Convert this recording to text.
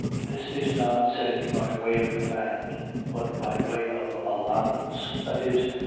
. .This is not said by way of command, but by way of allowance, viz.